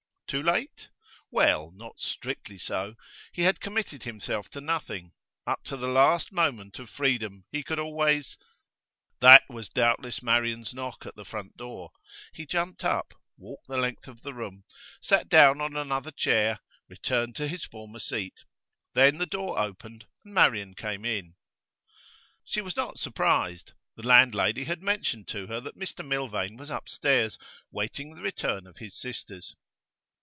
Too late? Well, not strictly so; he had committed himself to nothing; up to the last moment of freedom he could always That was doubtless Marian's knock at the front door. He jumped up, walked the length of the room, sat down on another chair, returned to his former seat. Then the door opened and Marian came in. She was not surprised; the landlady had mentioned to her that Mr Milvain was upstairs, waiting the return of his sisters.